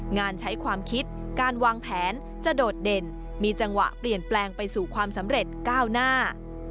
งานใช้ความคิดการวางแผนจะโดดเด่นมีจังหวะเปลี่ยนแปลงไปสู่ความสำเร็จก้าวหน้า